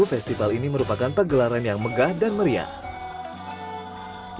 festival ini merupakan pegelaran yang megah dan meriah